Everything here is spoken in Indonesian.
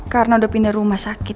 karena udah pindah rumah sakit